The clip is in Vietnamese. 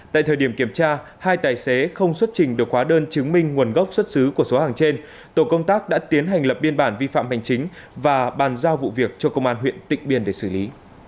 tại thời điểm kiểm tra hai tài xế không xuất trình được hóa đơn chứng minh nguồn gốc xuất xứ của số hàng trên tổ công tác đã tiến hành lập biên bản vi phạm hành chính và bàn giao vụ việc cho công an huyện tịnh biên để xử lý